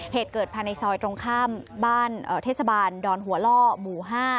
เหตุเกิดภายในซอยตรงข้ามบ้านเทศบาลดอนหัวล่อหมู่๕